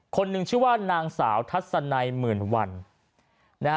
คนหนึ่งชื่อว่านางสาวทัศนัยหมื่นวันนะฮะ